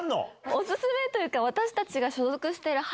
おすすめというか。